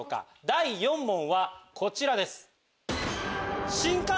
第４問はこちらです。